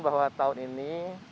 bahwa tahun ini